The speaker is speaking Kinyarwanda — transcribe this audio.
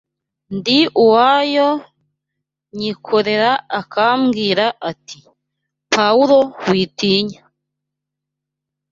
ndi uwayo, nyikorera; akambwira ati: ‘Pawulo witinya